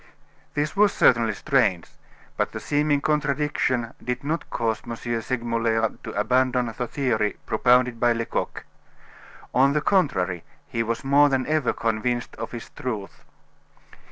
This was certainly strange, but the seeming contradiction did not cause M. Segmuller to abandon the theory propounded by Lecoq. On the contrary, he was more than ever convinced of its truth.